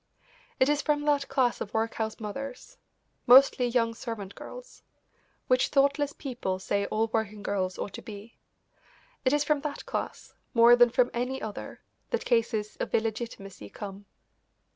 It is from that class of workhouse mothers mostly young servant girls which thoughtless people say all working girls ought to be; it is from that class more than from any other that cases of illegitimacy come.